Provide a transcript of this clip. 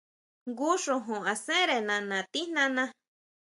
Jngu xojon asére nana tijnana.